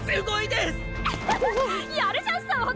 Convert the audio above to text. やるじゃん総北！！